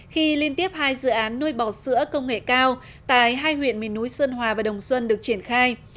khi liên tiếp hai dự án nuôi bò sữa công nghệ cao tại hai huyện miền núi sơn hòa và đồng xuân được triển khai